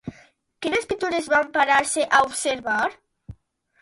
Quines pintures va parar-se a observar?